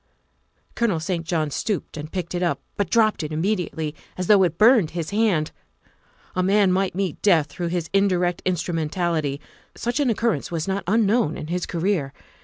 Colonel St. John stooped and picked it up, but dropped it immediately as though it burned his hand. A man might meet death through his indirect instru mentality; such an occurrence was not unknown in his career.